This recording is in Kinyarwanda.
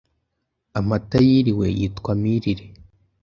Amata yiriwe yitwa Amirire